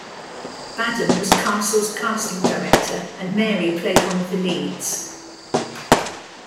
Badham was Castle's casting director, and Mary played one of the leads.